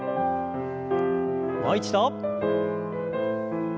もう一度。